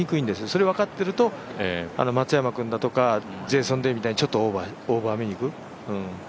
それを分かっていると、松山君だとかジェイソン・デイみたいにちょっとオーバーめにいく。